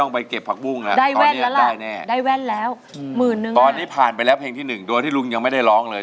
ไปเก็บผักบุ้งได้แว่นแล้วตอนนี้ผ่านไปแล้วเพลงที่๑โดยที่ลุงยังไม่ได้ร้องเลย